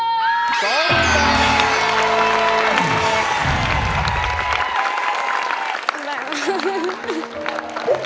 สำเร็จ